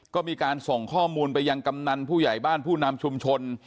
ก็มีการส่งข้อมูลไปยังกำนันผู้ใหญ่บ้านผู้นำชุมชน